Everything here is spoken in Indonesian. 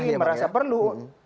sehingga apa kami merasa perlu